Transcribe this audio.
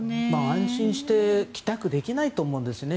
安心して帰宅できないと思うんですね。